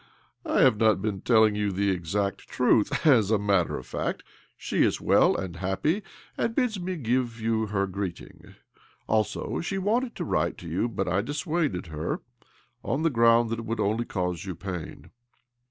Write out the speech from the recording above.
" I have not been telling you the exact truth. As a matter of fact, she is well and happy, and bids me give you her greeting'. Also, she wanted to write to you, but I dissuaded her on the ground that it would only cause you pain."